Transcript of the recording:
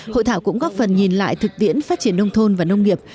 hội thảo cũng góp phần nhìn lại thực tiễn phát triển nông thôn và nông nghiệp